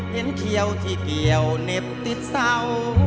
เห็นเขี้ยวที่เกี่ยวเน็บติดเศร้า